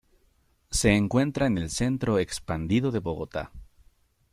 Se encuentra en el Centro Expandido de Bogotá.